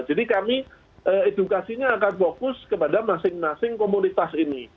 jadi kami edukasinya akan fokus kepada masing masing komunitas ini